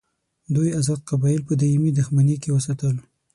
دوی آزاد قبایل په دایمي دښمني کې وساتل.